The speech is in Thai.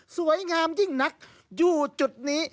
สวยงามยิ่งนักอยู่จุดนี้